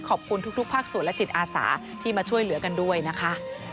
ขอบคุณทุกภาคส่วนและจิตอาสาที่มาช่วยเหลือกันด้วยนะคะ